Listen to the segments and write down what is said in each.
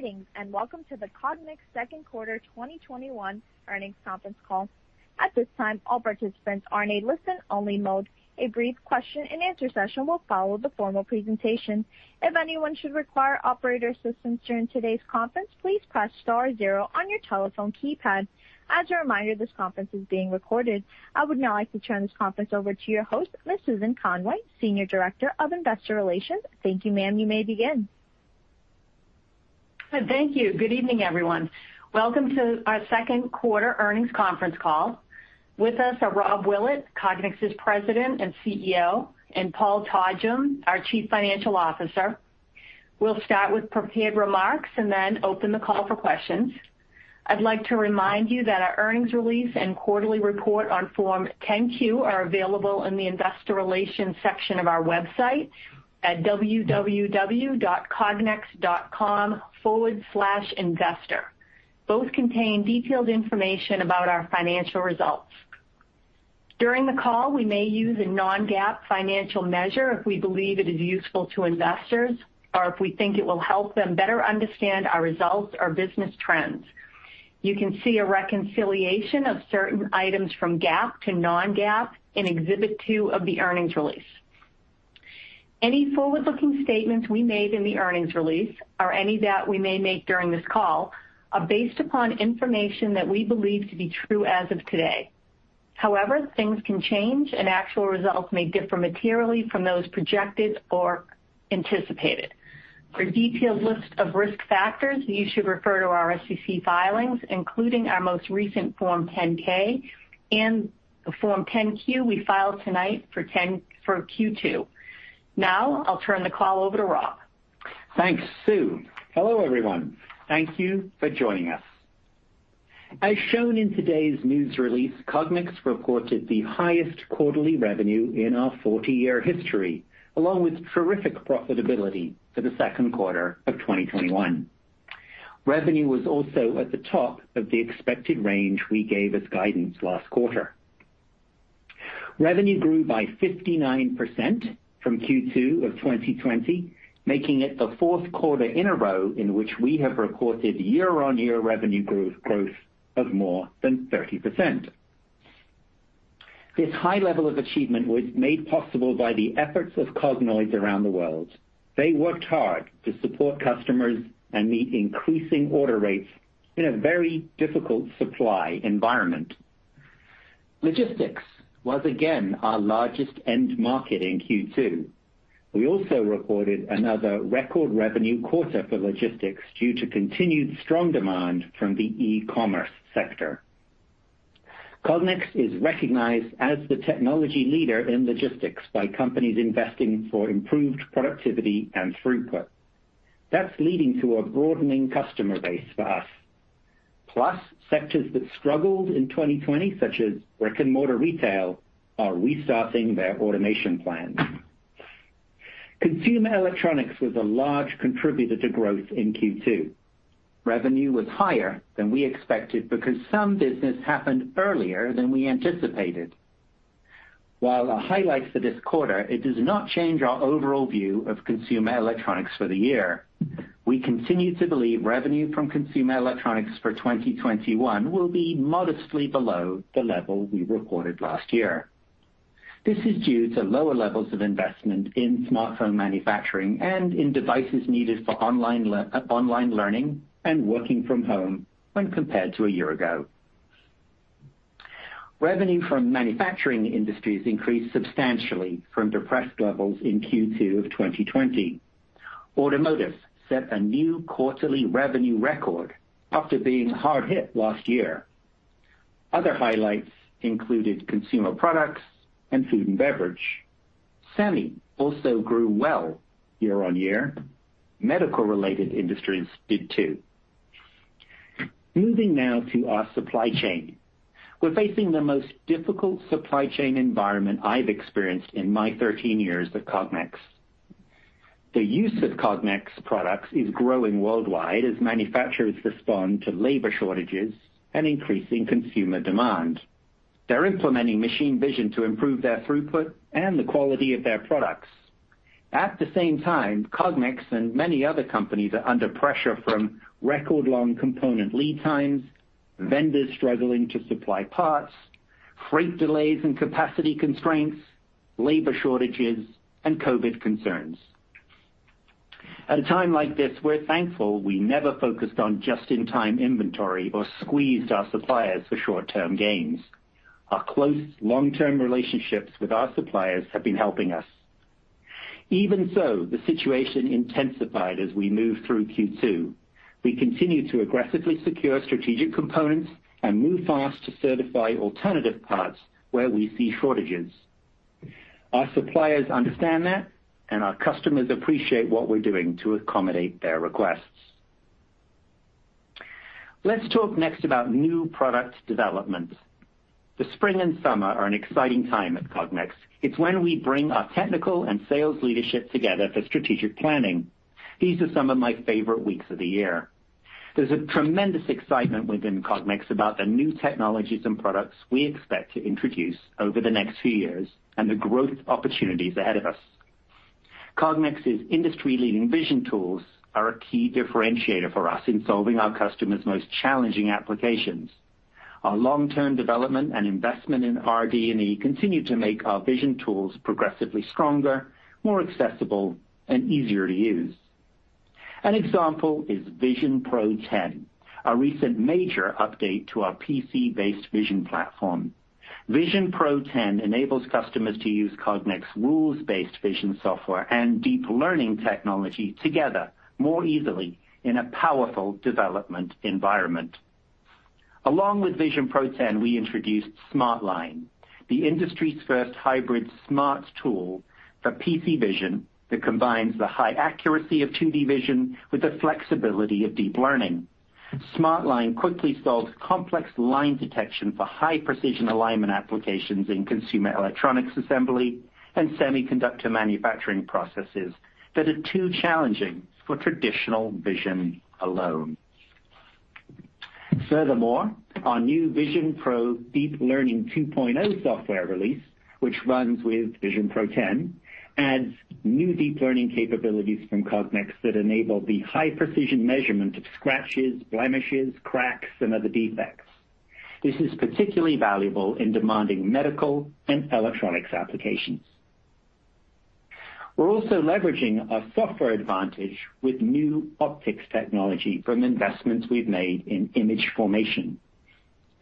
Greetings, and welcome to the Cognex second quarter 2021 earnings conference call. At this time, all participants are in a listen-only mode. A brief question and answer session will follow the formal presentation. If anyone should require operator assistance during today's conference, please press star zero on your telephone keypad. As a reminder, this conference is being recorded. I would now like to turn this conference over to your host, Ms. Susan Conway, Senior Director of Investor Relations. Thank you, ma'am. You may begin. Thank you. Good evening, everyone. Welcome to our second quarter earnings conference call. With us are Rob Willett, Cognex's President and CEO, and Paul Todgham, our Chief Financial Officer. We'll start with prepared remarks and then open the call for questions. I'd like to remind you that our earnings release and quarterly report on form 10-Q are available in the investor relations section of our website at www.cognex.com/investor. Both contain detailed information about our financial results. During the call, we may use a non-GAAP financial measure if we believe it is useful to investors or if we think it will help them better understand our results or business trends. You can see a reconciliation of certain items from GAAP to non-GAAP in Exhibit 2 of the earnings release. Any forward-looking statements we made in the earnings release or any that we may make during this call are based upon information that we believe to be true as of today. Things can change and actual results may differ materially from those projected or anticipated. For a detailed list of risk factors, you should refer to our SEC filings, including our most recent Form 10-K and the Form 10-Q we filed tonight for Q2. I'll turn the call over to Rob. Thanks, Sue. Hello, everyone. Thank you for joining us. As shown in today's news release, Cognex reported the highest quarterly revenue in our 40-year history, along with terrific profitability for the second quarter of 2021. Revenue was also at the top of the expected range we gave as guidance last quarter. Revenue grew by 59% from Q2 of 2020, making it the fourth quarter in a row in which we have reported year-on-year revenue growth of more than 30%. This high level of achievement was made possible by the efforts of Cognoids around the world. They worked hard to support customers and meet increasing order rates in a very difficult supply environment. Logistics was again our largest end market in Q2. We also reported another record revenue quarter for logistics due to continued strong demand from the e-commerce sector. Cognex is recognized as the technology leader in logistics by companies investing for improved productivity and throughput. That's leading to a broadening customer base for us. Sectors that struggled in 2020, such as brick-and-mortar retail, are restarting their automation plans. Consumer electronics was a large contributor to growth in Q2. Revenue was higher than we expected because some business happened earlier than we anticipated. While a highlight for this quarter, it does not change our overall view of consumer electronics for the year. We continue to believe revenue from consumer electronics for 2021 will be modestly below the level we recorded last year. This is due to lower levels of investment in smartphone manufacturing and in devices needed for online learning and working from home when compared to a year ago. Revenue from manufacturing industries increased substantially from depressed levels in Q2 of 2020. Automotive set a new quarterly revenue record after being hard hit last year. Other highlights included consumer products and food and beverage. Semi also grew well year on year. Medical-related industries did too. Moving now to our supply chain. We're facing the most difficult supply chain environment I've experienced in my 13 years at Cognex. The use of Cognex products is growing worldwide as manufacturers respond to labor shortages and increasing consumer demand. They're implementing machine vision to improve their throughput and the quality of their products. At the same time, Cognex and many other companies are under pressure from record long component lead times, vendors struggling to supply parts, freight delays and capacity constraints, labor shortages, and COVID concerns. At a time like this, we're thankful we never focused on just-in-time inventory or squeezed our suppliers for short-term gains. Our close long-term relationships with our suppliers have been helping us. Even so, the situation intensified as we moved through Q2. We continue to aggressively secure strategic components and move fast to certify alternative parts where we see shortages. Our suppliers understand that, and our customers appreciate what we're doing to accommodate their requests. Let's talk next about new product development. The spring and summer are an exciting time at Cognex. It's when we bring our technical and sales leadership together for strategic planning. These are some of my favorite weeks of the year. There's a tremendous excitement within Cognex about the new technologies and products we expect to introduce over the next few years, and the growth opportunities ahead of us. Cognex's industry-leading vision tools are a key differentiator for us in solving our customers' most challenging applications. Our long-term development and investment in RD&E continue to make our vision tools progressively stronger, more accessible, and easier to use. An example is VisionPro 10, our recent major update to our PC-based vision platform. VisionPro 10 enables customers to use Cognex rules-based vision software and deep learning technology together more easily in a powerful development environment. Along with VisionPro 10, we introduced SmartLine, the industry's first hybrid smart tool for PC vision, that combines the high accuracy of 2D vision with the flexibility of deep learning. SmartLine quickly solves complex line detection for high-precision alignment applications in consumer electronics assembly and semiconductor manufacturing processes that are too challenging for traditional vision alone. Furthermore, our new VisionPro Deep Learning 2.0 software release, which runs with VisionPro 10, adds new deep learning capabilities from Cognex that enable the high-precision measurement of scratches, blemishes, cracks, and other defects. This is particularly valuable in demanding medical and electronics applications. We're also leveraging our software advantage with new optics technology from investments we've made in image formation.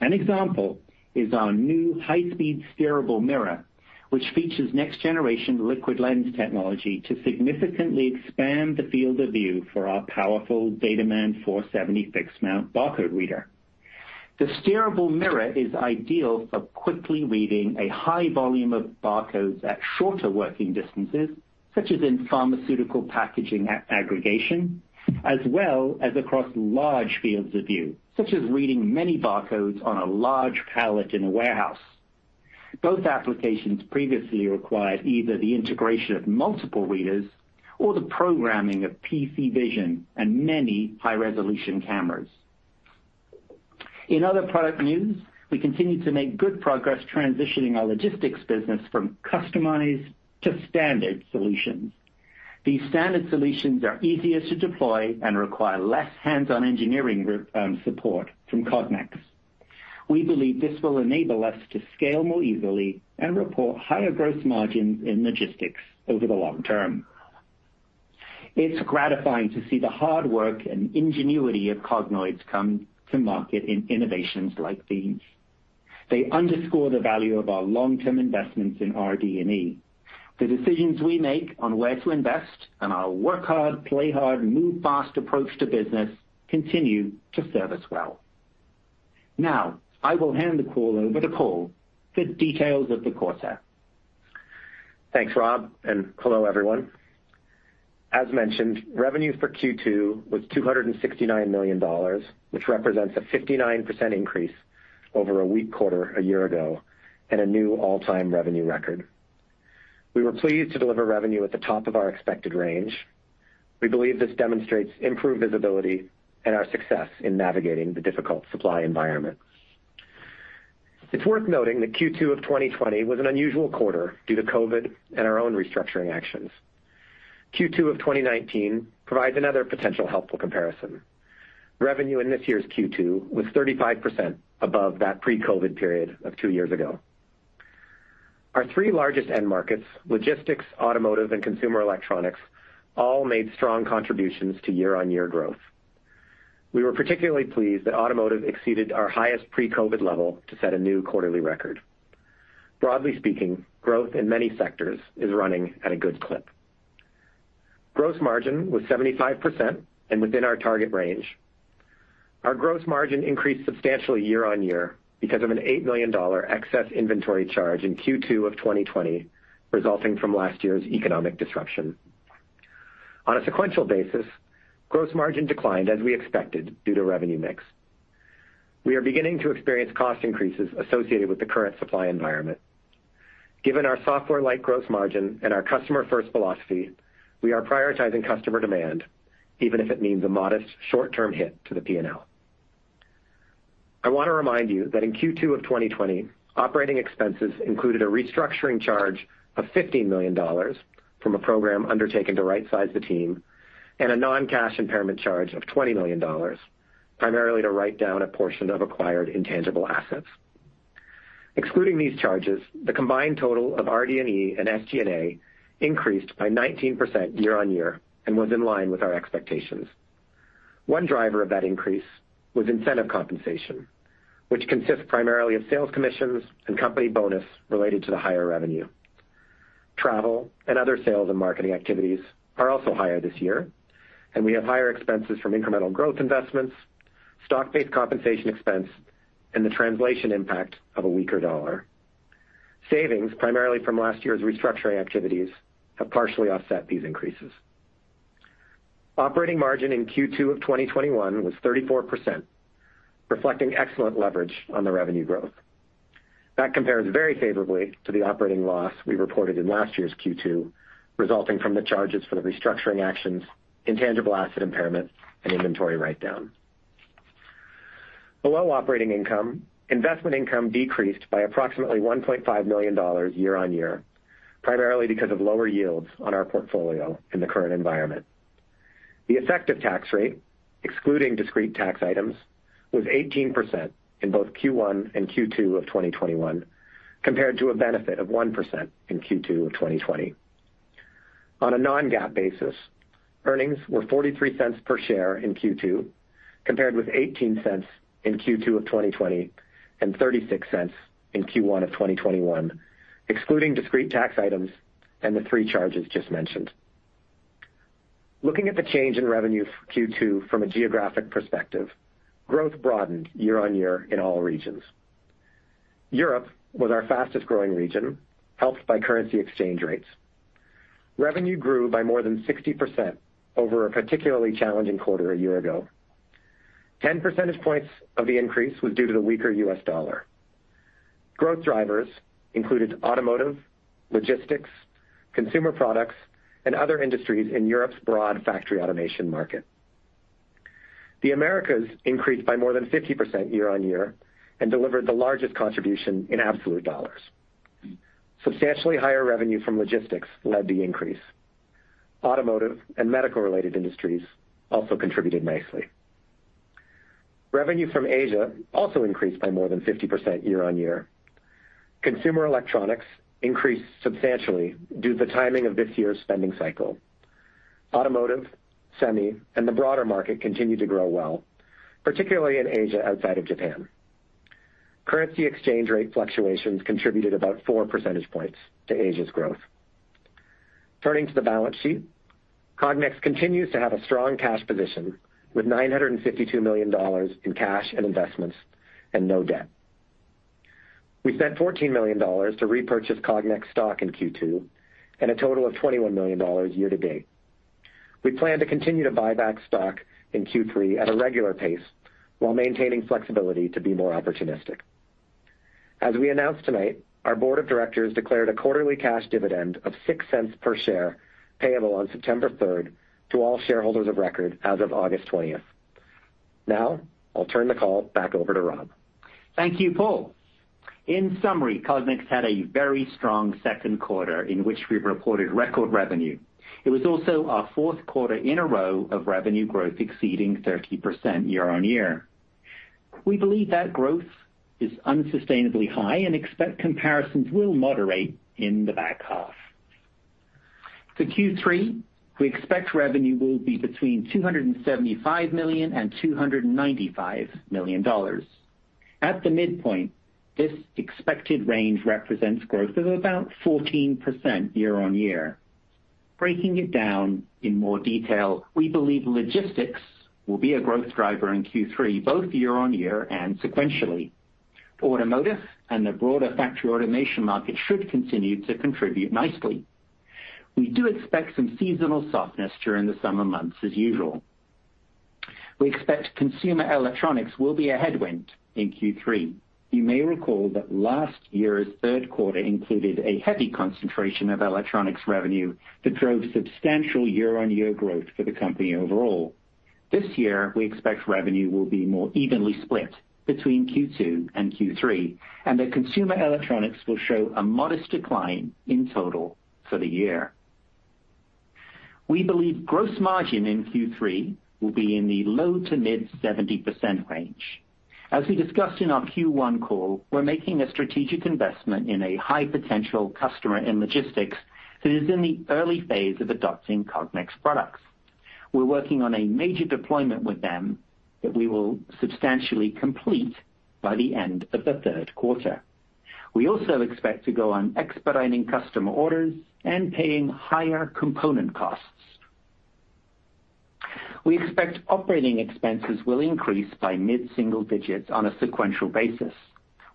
An example is our new High Speed Steerable Mirror, which features next generation liquid lens technology to significantly expand the field of view for our powerful DataMan 470 fixed mount barcode reader. The steerable mirror is ideal for quickly reading a high volume of barcodes at shorter working distances, such as in pharmaceutical packaging aggregation, as well as across large fields of view, such as reading many barcodes on a large pallet in a warehouse. Both applications previously required either the integration of multiple readers or the programming of PC vision and many high-resolution cameras. In other product news, we continue to make good progress transitioning our logistics business from customized to standard solutions. These standard solutions are easier to deploy and require less hands-on engineering support from Cognex. We believe this will enable us to scale more easily and report higher gross margins in logistics over the long term. It's gratifying to see the hard work and ingenuity of Cognoids come to market in innovations like these. They underscore the value of our long-term investments in RD&E. The decisions we make on where to invest and our work hard, play hard, move fast approach to business continue to serve us well. Now, I will hand the call over to Paul for details of the quarter. Thanks, Rob, and hello, everyone. As mentioned, revenue for Q2 was $269 million, which represents a 59% increase over a weak quarter a year ago, and a new all-time revenue record. We were pleased to deliver revenue at the top of our expected range. We believe this demonstrates improved visibility and our success in navigating the difficult supply environment. It's worth noting that Q2 of 2020 was an unusual quarter due to COVID and our own restructuring actions. Q2 of 2019 provides another potential helpful comparison. Revenue in this year's Q2 was 35% above that pre-COVID period of two years ago. Our three largest end markets, logistics, automotive, and consumer electronics, all made strong contributions to year-on-year growth. We were particularly pleased that automotive exceeded our highest pre-COVID level to set a new quarterly record. Broadly speaking, growth in many sectors is running at a good clip. Gross margin was 75% and within our target range. Our gross margin increased substantially year-on-year because of an $8 million excess inventory charge in Q2 of 2020, resulting from last year's economic disruption. On a sequential basis, gross margin declined as we expected due to revenue mix. We are beginning to experience cost increases associated with the current supply environment. Given our software-like gross margin and our customer first philosophy, we are prioritizing customer demand, even if it means a modest short-term hit to the P&L. I want to remind you that in Q2 of 2020, operating expenses included a restructuring charge of $15 million from a program undertaken to right size the team, and a non-cash impairment charge of $20 million, primarily to write down a portion of acquired intangible assets. Excluding these charges, the combined total of RD&E and SG&A increased by 19% year-on-year and was in line with our expectations. One driver of that increase was incentive compensation, which consists primarily of sales commissions and company bonus related to the higher revenue. Travel and other sales and marketing activities are also higher this year, and we have higher expenses from incremental growth investments, stock-based compensation expense, and the translation impact of a weaker dollar. Savings, primarily from last year's restructuring activities, have partially offset these increases. Operating margin in Q2 of 2021 was 34%, reflecting excellent leverage on the revenue growth. That compares very favorably to the operating loss we reported in last year's Q2, resulting from the charges for the restructuring actions, intangible asset impairment, and inventory write-down. Below operating income, investment income decreased by approximately $1.5 million year-on-year, primarily because of lower yields on our portfolio in the current environment. The effective tax rate, excluding discrete tax items, was 18% in both Q1 and Q2 of 2021, compared to a benefit of 1% in Q2 of 2020. On a non-GAAP basis, earnings were $0.43 per share in Q2, compared with $0.18 in Q2 of 2020 and $0.36 in Q1 of 2021, excluding discrete tax items and the three charges just mentioned. Looking at the change in revenue for Q2 from a geographic perspective, growth broadened year-on-year in all regions. Europe was our fastest-growing region, helped by currency exchange rates. Revenue grew by more than 60% over a particularly challenging quarter a year ago. 10 percentage points of the increase was due to the weaker U.S. dollar. Growth drivers included automotive, logistics, consumer products, and other industries in Europe's broad factory automation market. The Americas increased by more than 50% year-on-year and delivered the largest contribution in absolute dollars. Substantially higher revenue from logistics led the increase. Automotive and medical-related industries also contributed nicely. Revenue from Asia also increased by more than 50% year-on-year. Consumer electronics increased substantially due to the timing of this year's spending cycle. Automotive, semi, and the broader market continued to grow well, particularly in Asia, outside of Japan. Currency exchange rate fluctuations contributed about 4 percentage points to Asia's growth. Turning to the balance sheet, Cognex continues to have a strong cash position, with $952 million in cash and investments and no debt. We spent $14 million to repurchase Cognex stock in Q2 and a total of $21 million year-to-date. We plan to continue to buy back stock in Q3 at a regular pace while maintaining flexibility to be more opportunistic. As we announced tonight, our board of directors declared a quarterly cash dividend of $0.06 per share, payable on September 3rd to all shareholders of record as of August 20th. Now, I'll turn the call back over to Rob. Thank you, Paul. In summary, Cognex had a very strong second quarter in which we reported record revenue. It was also our fourth quarter in a row of revenue growth exceeding 30% year-over-year. We believe that growth is unsustainably high and expect comparisons will moderate in the back half. To Q3, we expect revenue will be between $275 million and $295 million. At the midpoint, this expected range represents growth of about 14% year-over-year. Breaking it down in more detail, we believe logistics will be a growth driver in Q3, both year-over-year and sequentially. Automotive and the broader factory automation market should continue to contribute nicely. We do expect some seasonal softness during the summer months as usual. We expect consumer electronics will be a headwind in Q3. You may recall that last year's third quarter included a heavy concentration of electronics revenue that drove substantial year-on-year growth for the company overall. This year, we expect revenue will be more evenly split between Q2 and Q3, and that consumer electronics will show a modest decline in total for the year. We believe gross margin in Q3 will be in the low to mid 70% range. As we discussed in our Q1 call, we're making a strategic investment in a high-potential customer in logistics that is in the early phase of adopting Cognex products. We're working on a major deployment with them that we will substantially complete by the end of the third quarter. We also expect to go on expediting customer orders and paying higher component costs. We expect operating expenses will increase by mid-single digits on a sequential basis.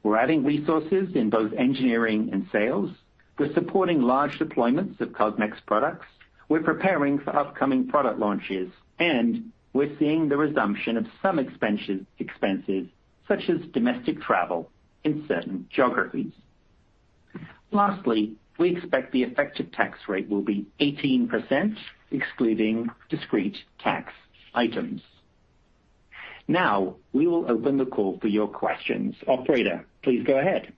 We're adding resources in both engineering and sales. We're supporting large deployments of Cognex products. We're preparing for upcoming product launches, and we're seeing the resumption of some expenses, such as domestic travel in certain geographies. Lastly, we expect the effective tax rate will be 18%, excluding discrete tax items. Now, we will open the call for your questions. Operator, please go ahead.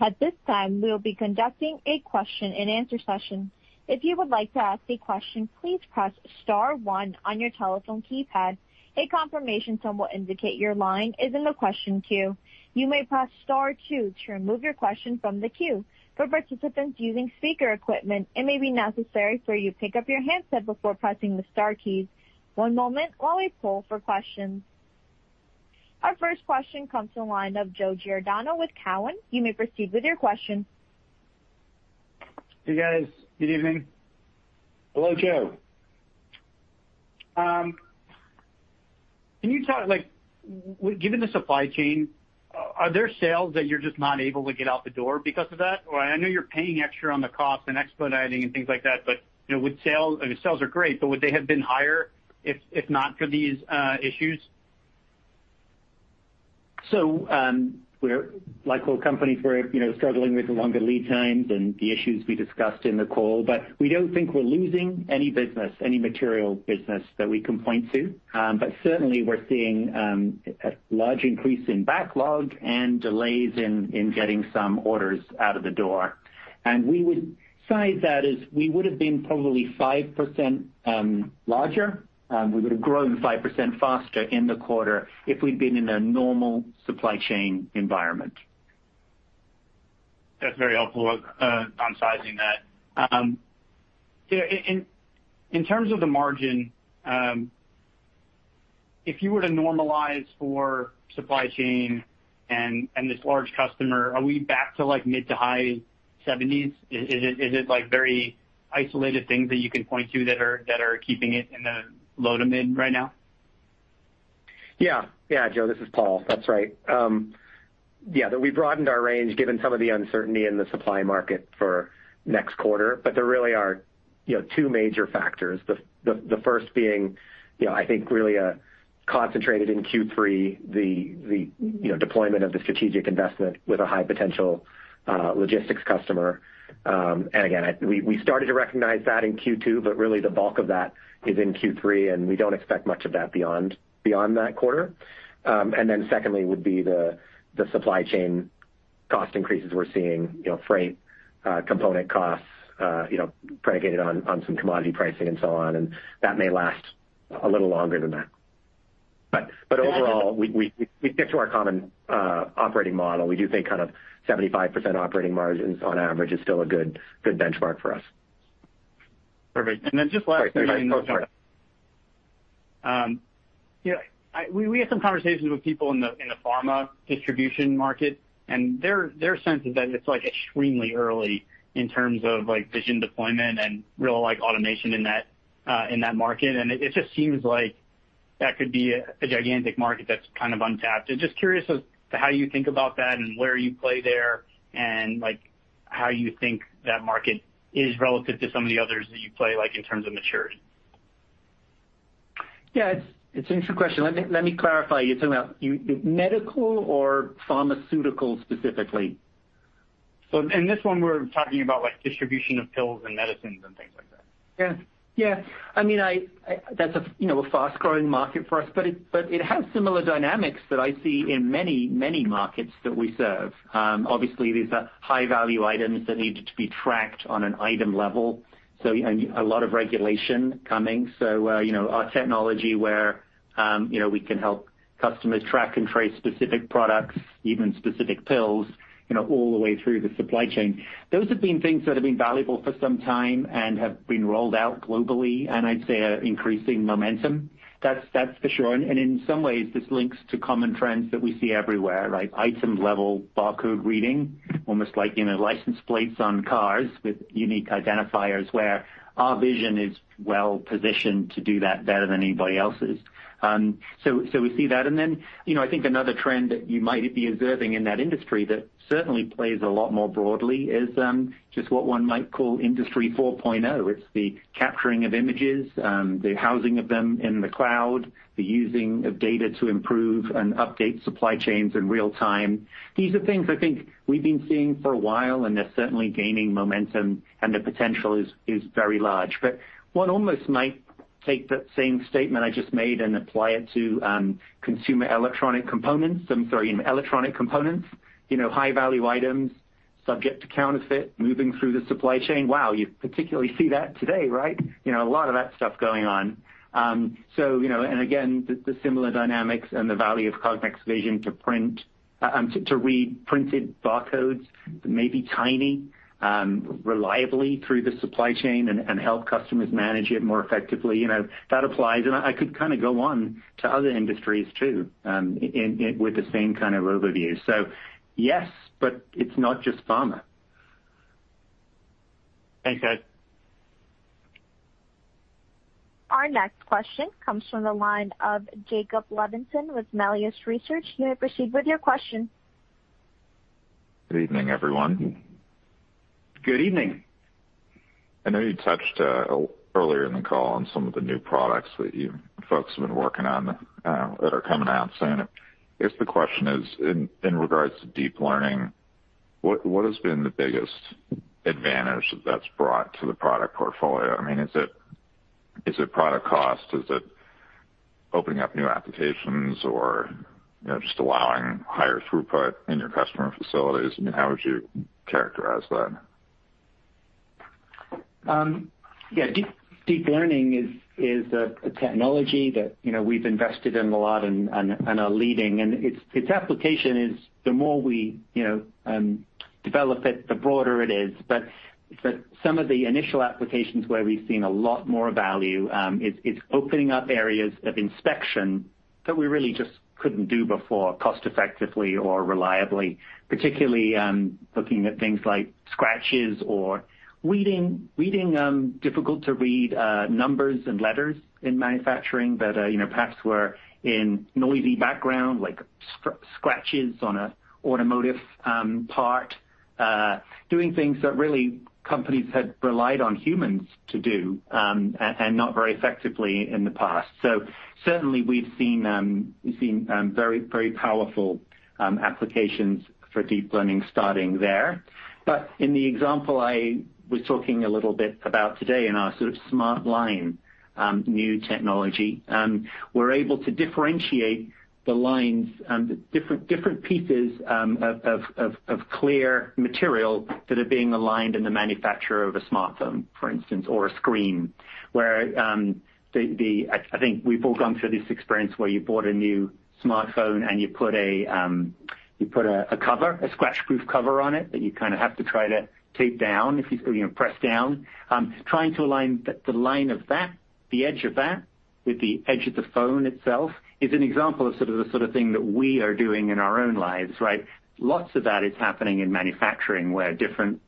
At this time we will be conducting a question and answer session. If you would like to ask a question, please press star one on your telephone keypad. A confirmation tone will indicate your line is in the question queue. You may press star two to remove your question from the queue. All participants using speaker equipment it may be necessary for you to pick up your handset before pressing the star key. One moment as we poll for questions. Our first question comes to the line of Joe Giordano with Cowen. You may proceed with your question. Hey, guys. Good evening. Hello, Joe. Can you talk, given the supply chain, are there sales that you're just not able to get out the door because of that? I know you're paying extra on the cost and expediting and things like that, but I mean, sales are great, but would they have been higher if not for these issues? Like all companies, we're struggling with the longer lead times and the issues we discussed in the call. We don't think we're losing any business, any material business that we can point to. Certainly, we're seeing a large increase in backlog and delays in getting some orders out of the door. We would cite that as we would've been probably 5% larger. We would've grown 5% faster in the quarter if we'd been in a normal supply chain environment. That's very helpful on sizing that. In terms of the margin, if you were to normalize for supply chain and this large customer, are we back to mid to high 70s? Is it very isolated things that you can point to that are keeping it in the low to mid right now? Yeah. Joe, this is Paul. That's right. Yeah, we broadened our range given some of the uncertainty in the supply market for next quarter. There really are two major factors. The first being, I think really concentrated in Q3, the deployment of the strategic investment with a high potential logistics customer. Again, we started to recognize that in Q2, but really the bulk of that is in Q3, and we don't expect much of that beyond that quarter. Secondly, would be the supply chain cost increases we're seeing, freight, component costs, predicated on some commodity pricing and so on, and that may last a little longer than that. Overall, we stick to our common operating model. We do think 75% operating margins on average is still a good benchmark for us. Perfect. Then just last thing. Sorry. Go ahead. We had some conversations with people in the pharma distribution market, and their sense is that it's extremely early in terms of vision deployment and real automation in that market. It just seems like that could be a gigantic market that's untapped. Just curious as to how you think about that and where you play there, and how you think that market is relative to some of the others that you play, in terms of maturity. Yeah. It's an interesting question. Let me clarify. You're talking about medical or pharmaceutical specifically? In this one we're talking about distribution of pills and medicines and things like that. Yeah. That's a fast-growing market for us, but it has similar dynamics that I see in many, many markets that we serve. Obviously, these are high-value items that need to be tracked on an item level. A lot of regulation coming. Our technology where we can help customers track and trace specific products, even specific pills, all the way through the supply chain. Those have been things that have been valuable for some time and have been rolled out globally. I'd say are increasing momentum. That's for sure. In some ways, this links to common trends that we see everywhere, like item level barcode reading, almost like license plates on cars with unique identifiers, where our vision is well-positioned to do that better than anybody else's. We see that. I think another trend that you might be observing in that industry that certainly plays a lot more broadly is just what one might call Industry 4.0. It's the capturing of images, the housing of them in the cloud, the using of data to improve and update supply chains in real time. These are things I think we've been seeing for a while, and they're certainly gaining momentum, and the potential is very large. One almost might take that same statement I just made and apply it to consumer electronic components. I'm sorry, electronic components. High-value items subject to counterfeit moving through the supply chain. Wow, you particularly see that today, right? A lot of that stuff going on. Again, the similar dynamics and the value of Cognex vision to read printed barcodes, that may be tiny, reliably through the supply chain and help customers manage it more effectively. That applies, and I could go on to other industries too, with the same kind of overview. Yes, but it's not just pharma. Thanks, guys. Our next question comes from the line of Jacob Levinson with Melius Research. You may proceed with your question. Good evening, everyone. Good evening. I know you touched, earlier in the call on some of the new products that you folks have been working on that are coming out soon. I guess the question is, in regards to deep learning, what has been the biggest advantage that that's brought to the product portfolio? Is it product cost? Is it opening up new applications or just allowing higher throughput in your customer facilities? How would you characterize that? Deep learning is a technology that we've invested in a lot and are leading. Its application is, the more we develop it, the broader it is. Some of the initial applications where we've seen a lot more value, it's opening up areas of inspection that we really just couldn't do before cost effectively or reliably. Particularly looking at things like scratches or reading difficult-to-read numbers and letters in manufacturing that perhaps were in noisy background, like scratches on an automotive part. Doing things that really companies had relied on humans to do, and not very effectively in the past. Certainly, we've seen very powerful applications for deep learning starting there. In the example I was talking a little bit about today in our sort of SmartLine new technology, we're able to differentiate the lines, the different pieces of clear material that are being aligned in the manufacture of a smartphone, for instance, or a screen. I think we've all gone through this experience where you bought a new smartphone and you put a scratch-proof cover on it that you kind of have to try to tape down, or press down. Trying to align the line of that, the edge of that, with the edge of the phone itself is an example of the sort of thing that we are doing in our own lives, right? Lots of that is happening in manufacturing, where different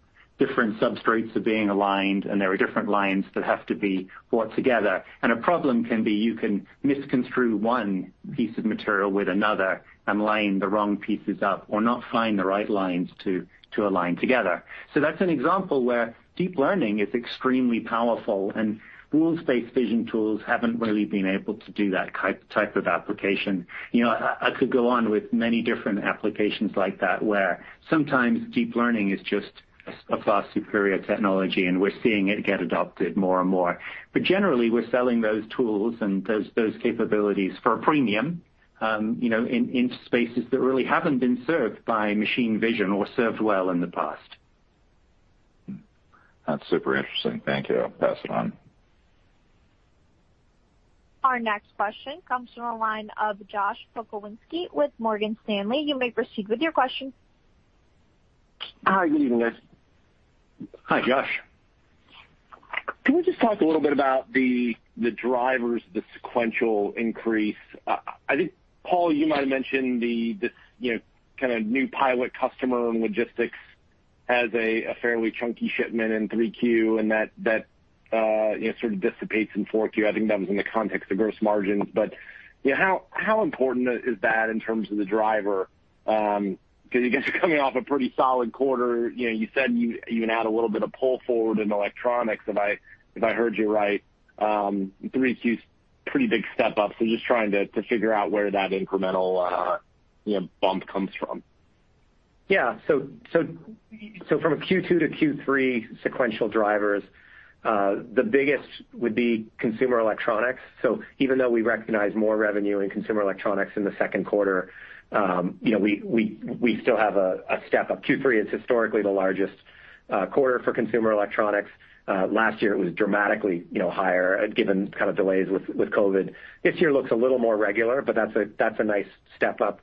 substrates are being aligned, and there are different lines that have to be brought together. A problem can be you can misconstrue one piece of material with another and line the wrong pieces up or not find the right lines to align together. That's an example where deep learning is extremely powerful and rules-based vision tools haven't really been able to do that type of application. I could go on with many different applications like that, where sometimes deep learning is just a far superior technology, and we're seeing it get adopted more and more. Generally, we're selling those tools and those capabilities for a premium, in spaces that really haven't been served by machine vision or served well in the past. That's super interesting. Thank you. I'll pass it on. Our next question comes from the line of Josh Pokrzywinski with Morgan Stanley. You may proceed with your question. Hi, good evening, guys. Hi, Josh. Can we just talk a little bit about the drivers, the sequential increase? I think, Paul, you might have mentioned the kind of new pilot customer in logistics has a fairly chunky shipment in 3Q, and that sort of dissipates in 4Q. I think that was in the context of gross margins. How important is that in terms of the driver? You guys are coming off a pretty solid quarter. You said you even had a little bit of pull forward in electronics, if I heard you right. 3Q's a pretty big step up. Just trying to figure out where that incremental bump comes from. From a Q2 to Q3 sequential drivers, the biggest would be consumer electronics. Even though we recognize more revenue in consumer electronics in the second quarter, we still have a step up. Q3 is historically the largest quarter for consumer electronics. Last year, it was dramatically higher given kind of delays with COVID. This year looks a little more regular, but that's a nice step up.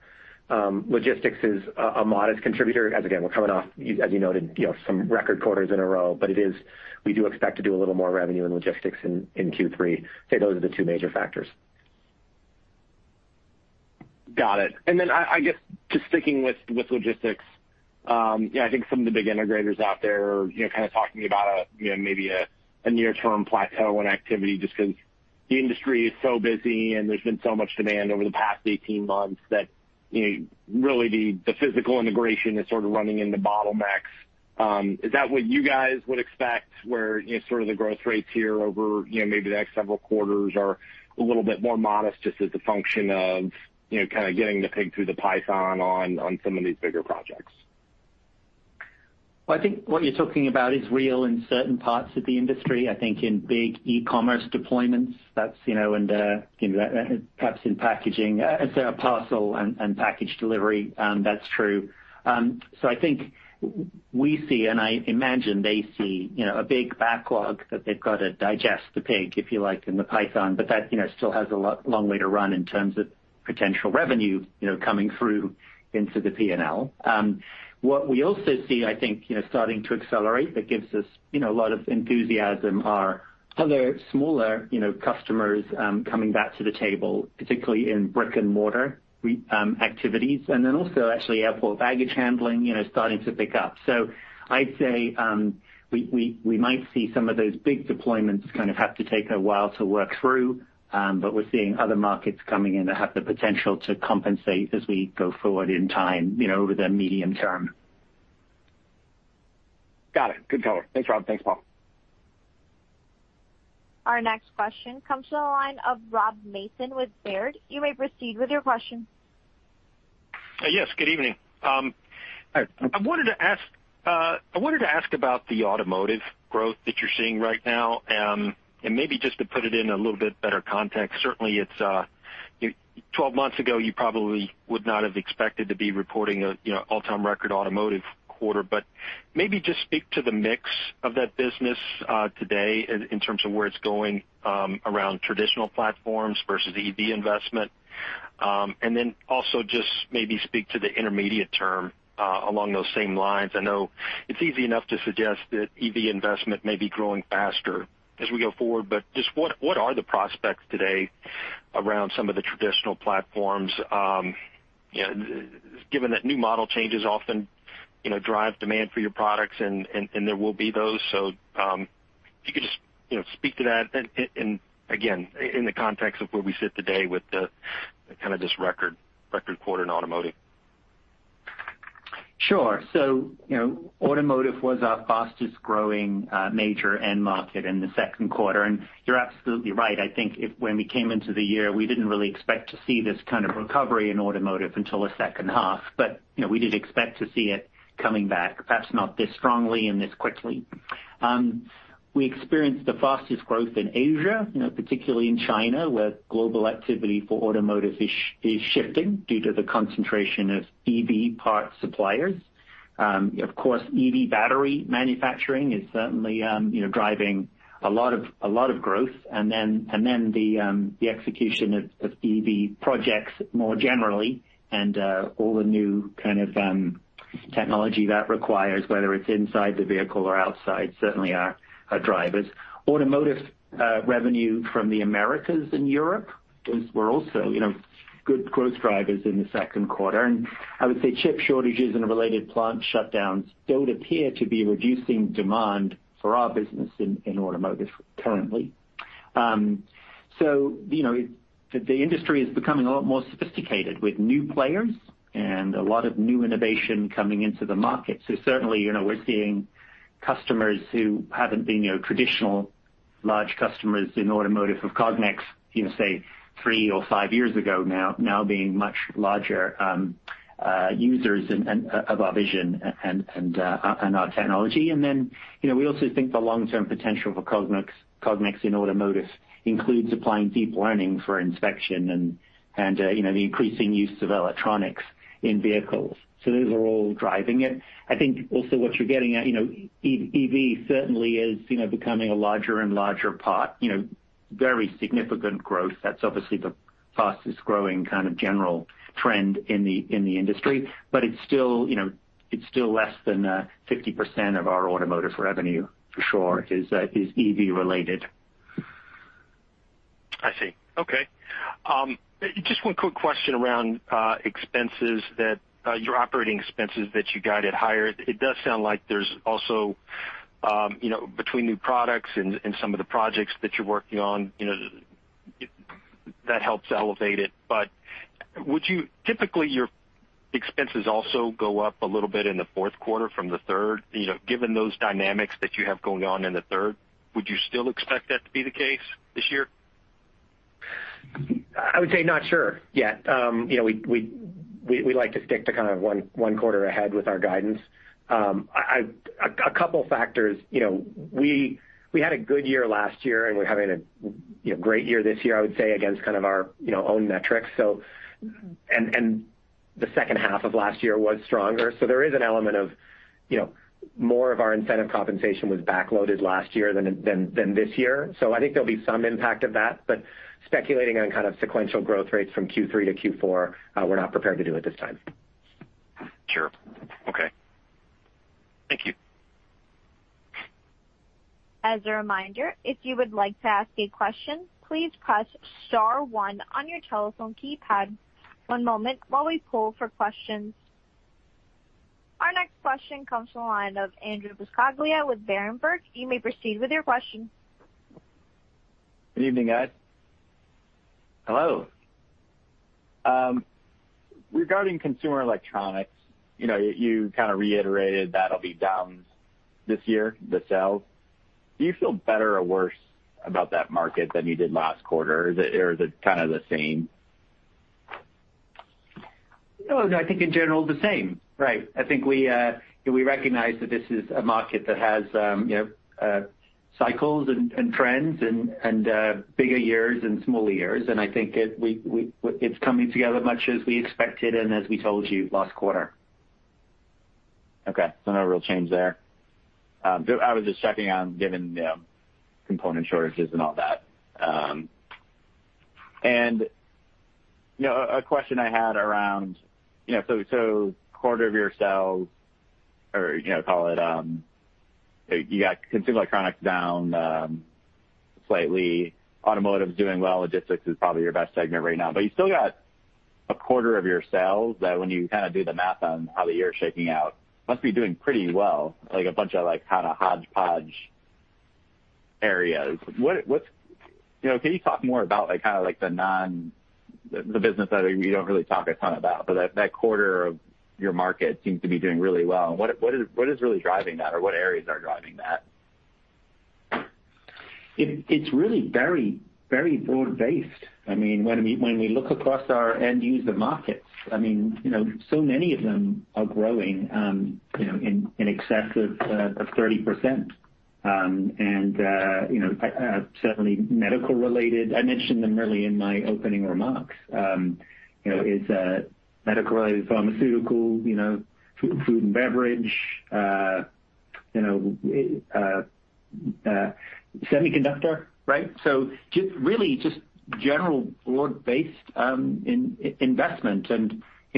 Logistics is a modest contributor as, again, we're coming off, as you noted, some record quarters in a row. We do expect to do a little more revenue in logistics in Q3. I'd say those are the two major factors. Got it. I guess just sticking with logistics, yeah, I think some of the big integrators out there are kind of talking about maybe a near-term plateau in activity just because the industry is so busy and there's been so much demand over the past 18 months that really the physical integration is sort of running into bottlenecks. Is that what you guys would expect where sort of the growth rates here over maybe the next several quarters are a little bit more modest just as a function of kind of getting the pig through the python on some of these bigger projects? I think what you're talking about is real in certain parts of the industry. I think in big e-commerce deployments, and perhaps in parcel and package delivery, that's true. I think we see, and I imagine they see a big backlog that they've got to digest, the pig, if you like, and the python, but that still has a long way to run in terms of potential revenue coming through into the P&L. What we also see, I think, starting to accelerate that gives us a lot of enthusiasm are other smaller customers coming back to the table, particularly in brick and mortar activities, and then also actually airport baggage handling starting to pick up. I'd say we might see some of those big deployments kind of have to take a while to work through. We're seeing other markets coming in that have the potential to compensate as we go forward in time over the medium term. Got it. Good color. Thanks, Rob. Thanks, Paul. Our next question comes to the line of Rob Mason with Baird. You may proceed with your question. Yes, good evening. I wanted to ask about the automotive growth that you're seeing right now. Maybe just to put it in a little bit better context. Certainly, 12 months ago, you probably would not have expected to be reporting an all-time record automotive quarter. Maybe just speak to the mix of that business today in terms of where it's going around traditional platforms versus EV investment. Also just maybe speak to the intermediate term along those same lines. I know it's easy enough to suggest that EV investment may be growing faster as we go forward. Just what are the prospects today around some of the traditional platforms, given that new model changes often drive demand for your products, and there will be those. If you could just speak to that, and again, in the context of where we sit today with kind of this record quarter in automotive. Sure. Automotive was our fastest-growing major end market in the second quarter. You're absolutely right. I think when we came into the year, we didn't really expect to see this kind of recovery in automotive until the second half. We did expect to see it coming back, perhaps not this strongly and this quickly. We experienced the fastest growth in Asia, particularly in China, where global activity for automotive is shifting due to the concentration of EV parts suppliers. Of course, EV battery manufacturing is certainly driving a lot of growth. The execution of EV projects more generally and all the new kind of technology that requires, whether it's inside the vehicle or outside, certainly are drivers. Automotive revenue from the Americas and Europe were also good growth drivers in the second quarter. I would say chip shortages and related plant shutdowns don't appear to be reducing demand for our business in automotive currently. The industry is becoming a lot more sophisticated with new players and a lot of new innovation coming into the market. Certainly, we're seeing customers who haven't been your traditional large customers in automotive of Cognex, say, three or five years ago now being much larger users of our vision and our technology. Then, we also think the long-term potential for Cognex in automotive includes applying deep learning for inspection and the increasing use of electronics in vehicles. Those are all driving it. I think also what you're getting at, EV certainly is becoming a larger and larger part, very significant growth. That's obviously the fastest-growing kind of general trend in the industry. It's still less than 50% of our automotive revenue, for sure, is EV related. I see. Okay. Just one quick question around your operating expenses that you guided higher. It does sound like there's also, between new products and some of the projects that you're working on, that helps elevate it. Typically, your expenses also go up a little bit in the fourth quarter from the third. Given those dynamics that you have going on in the third, would you still expect that to be the case this year? I would say not sure yet. We like to stick to kind of one quarter ahead with our guidance. A couple of factors. We had a good year last year, and we are having a great year this year, I would say, against kind of our own metrics. The second half of last year was stronger. There is an element of more of our incentive compensation was backloaded last year than this year. I think there will be some impact of that, but speculating on kind of sequential growth rates from Q3 to Q4, we are not prepared to do at this time. Sure. Okay. Thank you. As a reminder, if you would like to ask a question, please press star one on your telephone keypad. One moment while we poll for questions. Our next question comes from the line of Andrew Buscaglia with Berenberg. You may proceed with your question. Good evening, guys. Hello. Regarding consumer electronics, you kind of reiterated that'll be down this year, the sales. Do you feel better or worse about that market than you did last quarter? Is it kind of the same? No, I think in general, the same. Right. I think we recognize that this is a market that has cycles and trends and bigger years and smaller years, and I think it's coming together much as we expected and as we told you last quarter. Okay. No real change there. I was just checking on, given the component shortages and all that. A question I had around, quarter of your sales or call it, you got consumer electronics down slightly, automotive's doing well, logistics is probably your best segment right now. You still got a quarter of your sales that when you kind of do the math on how the year's shaking out, must be doing pretty well, like a bunch of kind of hodgepodge areas. Can you talk more about the business that you don't really talk a ton about, but that quarter of your market seems to be doing really well. What is really driving that or what areas are driving that? It's really very broad-based. When we look across our end user markets, so many of them are growing in excess of 30%. Certainly medical related, I mentioned them earlier in my opening remarks. It's medical related, pharmaceutical, food and beverage, semiconductor, right? Really just general broad-based investment.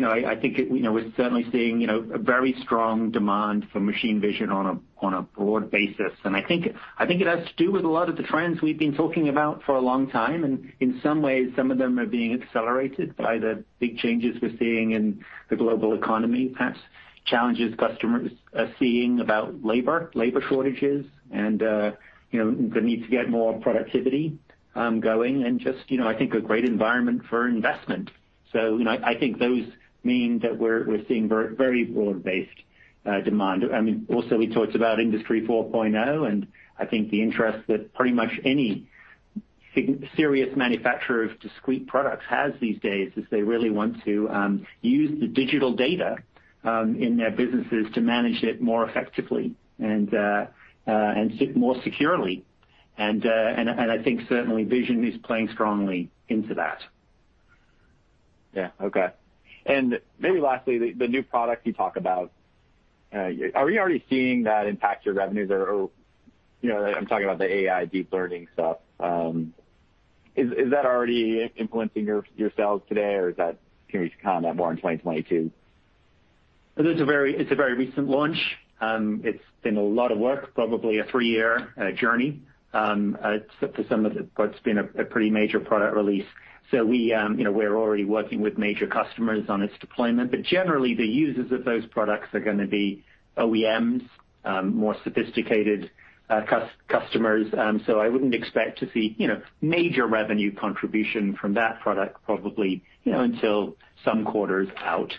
I think we're certainly seeing a very strong demand for machine vision on a broad basis. I think it has to do with a lot of the trends we've been talking about for a long time. In some ways, some of them are being accelerated by the big changes we're seeing in the global economy, perhaps challenges customers are seeing about labor shortages, and the need to get more productivity going and just I think a great environment for investment. I think those mean that we're seeing very broad-based demand. We talked about Industry 4.0, I think the interest that pretty much any serious manufacturer of discrete products has these days is they really want to use the digital data in their businesses to manage it more effectively and sit more securely. I think certainly Vision is playing strongly into that. Yeah. Okay. Maybe lastly, the new product you talk about, are we already seeing that impact your revenues? I'm talking about the AI deep learning stuff. Is that already influencing your sales today, or is that going to come out more in 2022? It's a very recent launch. It's been a lot of work, probably a three-year journey. For some of it's been a pretty major product release. We're already working with major customers on its deployment. Generally, the users of those products are going to be OEMs, more sophisticated customers. I wouldn't expect to see major revenue contribution from that product probably until some quarters out.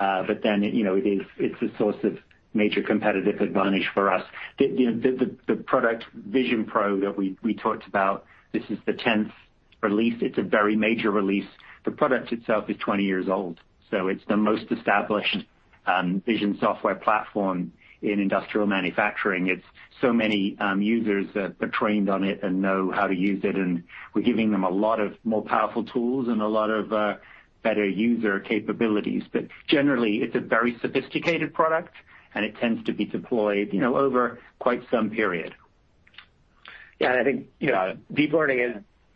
It's a source of major competitive advantage for us. The product, VisionPro, that we talked about, this is the 10th release. It's a very major release. The product itself is 20 years old, it's the most established Vision software platform in industrial manufacturing. It's so many users that are trained on it and know how to use it. We're giving them a lot of more powerful tools and a lot of better user capabilities. Generally, it's a very sophisticated product, and it tends to be deployed over quite some period. I think deep learning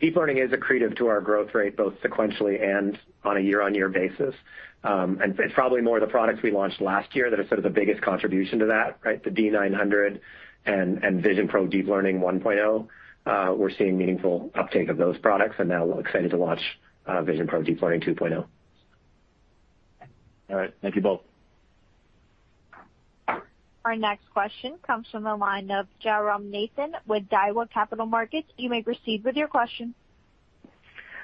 is accretive to our growth rate, both sequentially and on a year-on-year basis. It's probably more the products we launched last year that are sort of the biggest contribution to that, right? The D-900 and VisionPro Deep Learning 1.0. We're seeing meaningful uptake of those products and now we're excited to launch VisionPro Deep Learning 2.0. All right. Thank you both. Our next question comes from the line of Jairam Nathan with Daiwa Capital Markets. You may proceed with your question.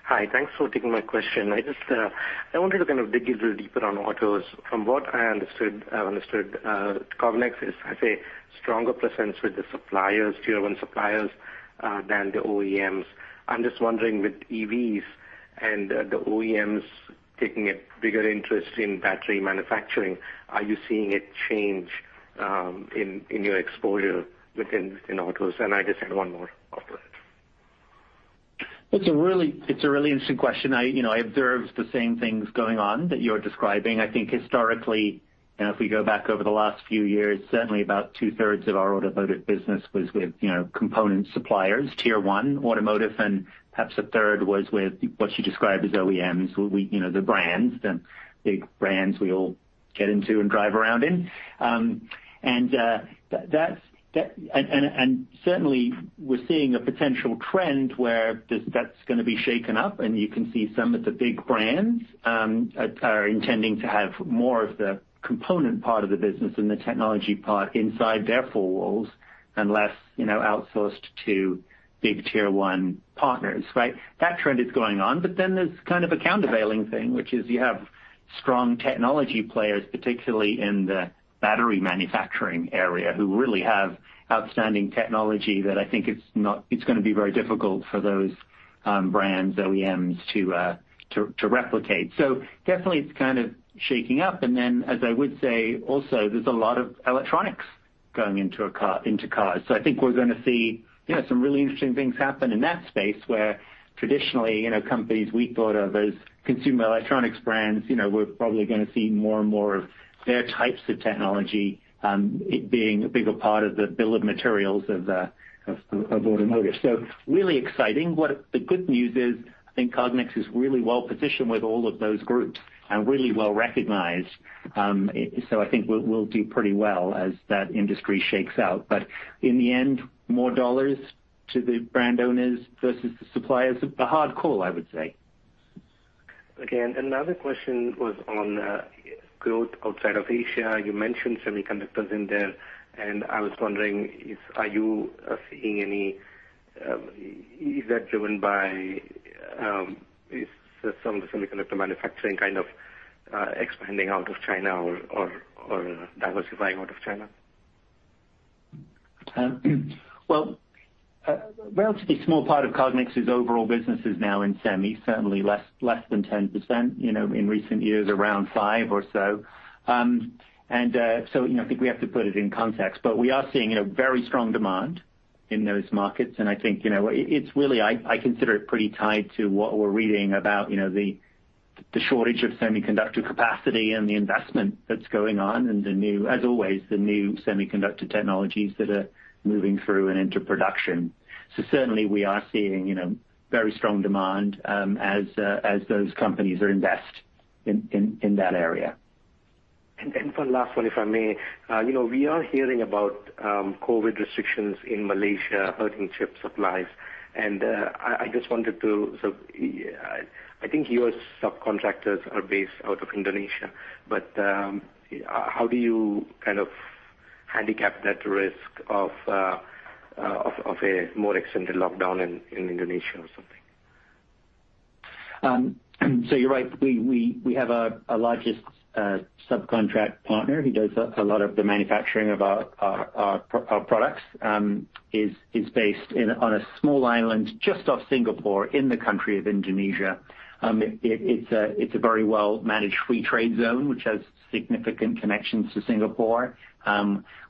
Hi. Thanks for taking my question. I wanted to kind of dig a little deeper on autos. From what I understood, Cognex has a stronger presence with the suppliers, tier 1 suppliers, than the OEMs. I'm just wondering with EVs and the OEMs taking a bigger interest in battery manufacturing, are you seeing a change in your exposure within autos? I just had one more after that. It's a really interesting question. I observe the same things going on that you're describing. I think historically, if we go back over the last few years, certainly about two-thirds of our automotive business was with component suppliers, tier one automotive, and perhaps a third was with what you described as OEMs, the brands, the big brands we all get into and drive around in. Certainly, we're seeing a potential trend where that's going to be shaken up, and you can see some of the big brands are intending to have more of the component part of the business and the technology part inside their four walls and less outsourced to big tier one partners, right? That trend is going on. There's kind of a countervailing thing, which is you have strong technology players, particularly in the battery manufacturing area, who really have outstanding technology that I think it's going to be very difficult for those brands, OEMs to replicate. Definitely, it's kind of shaking up. Then, as I would say, also, there's a lot of electronics going into cars. I think we're going to see some really interesting things happen in that space, where traditionally, companies we thought of as consumer electronics brands, we're probably going to see more and more of their types of technology, it being a bigger part of the bill of materials of automotive. Really exciting. What the good news is, I think Cognex is really well positioned with all of those groups and really well recognized. I think we'll do pretty well as that industry shakes out. In the end, more dollars to the brand owners versus the suppliers. A hard call, I would say. Okay. Another question was on growth outside of Asia. You mentioned semiconductors in there, and I was wondering, is that driven by some of the semiconductor manufacturing kind of expanding out of China or diversifying out of China? A relatively small part of Cognex's overall business is now in semi, certainly less than 10%, in recent years, around 5% or so. I think we have to put it in context. We are seeing very strong demand in those markets, I think it's really, I consider it pretty tied to what we're reading about the shortage of semiconductor capacity and the investment that's going on and, as always, the new semiconductor technologies that are moving through and into production. Certainly, we are seeing very strong demand as those companies invest in that area. For last one, if I may. We are hearing about COVID restrictions in Malaysia hurting chip supplies, and so I think your subcontractors are based out of Indonesia, but how do you kind of handicap that risk of a more extended lockdown in Indonesia or something? You're right. We have our largest subcontract partner who does a lot of the manufacturing of our products, is based on a small island just off Singapore in the country of Indonesia. It's a very well-managed free trade zone, which has significant connections to Singapore.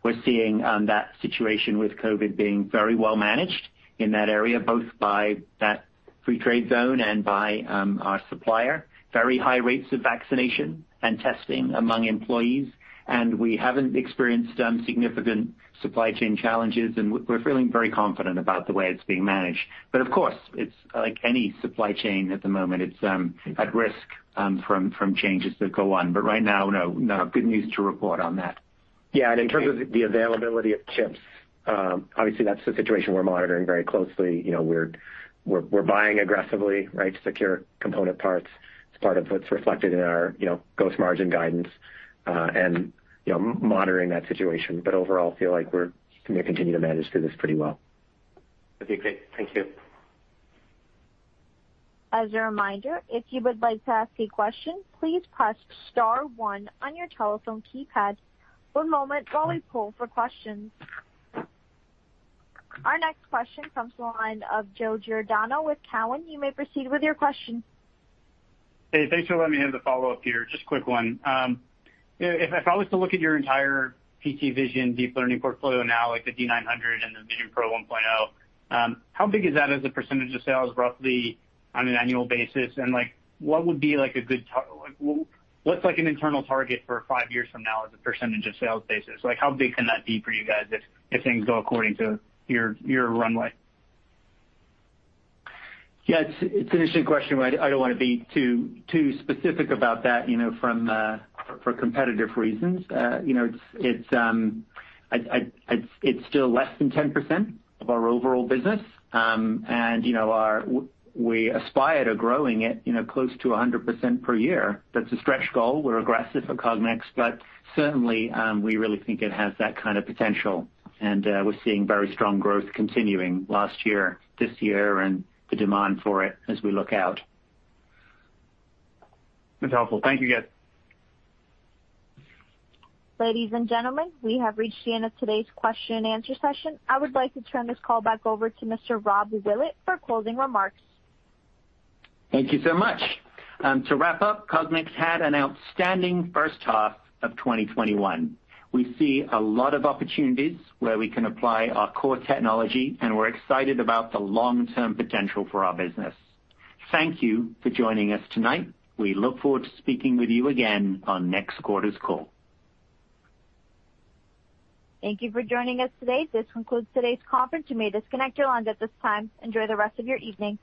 We're seeing that situation with COVID being very well managed in that area, both by that free trade zone and by our supplier. Very high rates of vaccination and testing among employees, and we haven't experienced significant supply chain challenges, and we're feeling very confident about the way it's being managed. Of course, it's like any supply chain at the moment, it's at risk from changes that go on. Right now, no. Good news to report on that. Yeah. In terms of the availability of chips, obviously that's a situation we're monitoring very closely. We're buying aggressively to secure component parts. It's part of what's reflected in our gross margin guidance, and monitoring that situation. Overall, feel like we're going to continue to manage through this pretty well. That'd be great. Thank you. As a reminder, if you would like to ask a question, please press star one on your telephone keypad. One moment while we poll for questions. Our next question comes from the line of Joe Giordano with Cowen. You may proceed with your question. Hey, thanks for letting me have the follow-up here. Just a quick one. If I was to look at your entire VisionPro Deep Learning portfolio now, like the D900 and the VisionPro 1.0, how big is that as a percentage of sales roughly on an annual basis? What's an internal target for five years from now as a percentage of sales basis? How big can that be for you guys if things go according to your runway? Yeah, it's an interesting question. I don't want to be too specific about that for competitive reasons. It's still less than 10% of our overall business. We aspire to growing it close to 100% per year. That's a stretch goal. We're aggressive at Cognex, but certainly, we really think it has that kind of potential, and we're seeing very strong growth continuing last year, this year, and the demand for it as we look out. That's helpful. Thank you, guys. Ladies and gentlemen, we have reached the end of today's question and answer session. I would like to turn this call back over to Mr. Rob Willett for closing remarks. Thank you so much. To wrap up, Cognex had an outstanding first half of 2021. We see a lot of opportunities where we can apply our core technology, and we're excited about the long-term potential for our business. Thank you for joining us tonight. We look forward to speaking with you again on next quarter's call. Thank you for joining us today. This concludes today's conference. You may disconnect your lines at this time. Enjoy the rest of your evening.